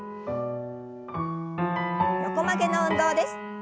横曲げの運動です。